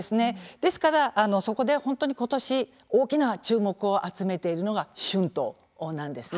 ですからそこで本当に今年大きな注目を集めているのが春闘なんですね。